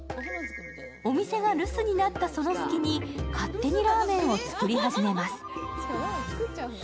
お店が留守になったその隙に、勝手にラーメンを作り始めます。